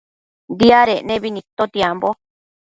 Diadec nebi nidtotiambo